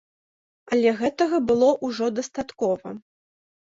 Але гэтага было ўжо дастаткова.